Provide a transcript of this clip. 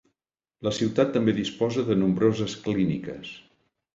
La ciutat també disposa de nombroses clíniques.